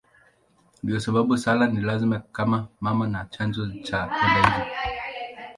Ndiyo sababu sala ni ya lazima kama mama na chanzo cha kwenda juu.